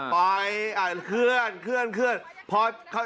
ไปเคลื่อนเคลื่อนเคลื่อนเคลื่อนเคลื่อนเคลื่อนเคลื่อนเคลื่อนเคลื่อน